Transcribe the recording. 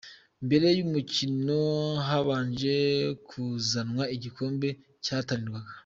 Mbere y'umukino habanje kuzanwa igikombe cyahatanirwaga.